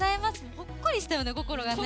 ほっこりしたよね心がね。